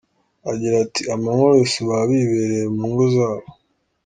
Agira ati :”Amanywa yose baba bibereye mu ngo zabo”.